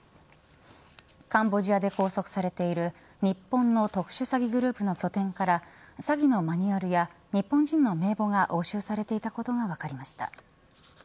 カンボジアで拘束されている日本の特殊詐欺グループの拠点から詐欺のマニュアルや日本人の名簿が押収されていたことが分かりました。